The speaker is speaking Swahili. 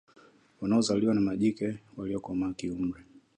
wanaozaliwa na majike waliokomaa kiumri